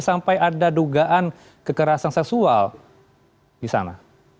sampai ada dugaan kekerasan seksual di sana